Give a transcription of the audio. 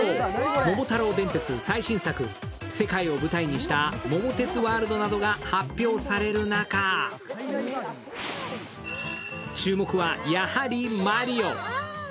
「桃太郎電鉄」最新作、世界を舞台にした「桃鉄ワールド」などが発表される中、注目はやはりマリオ。